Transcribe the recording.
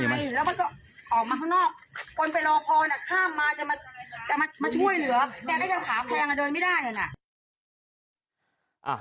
โดนเขาบอกว่า